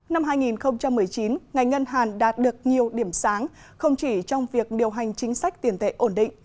năm hai nghìn một mươi chín ngành ngân hàng đạt được nhiều điểm sáng không chỉ trong việc điều hành chính sách tiền tệ ổn định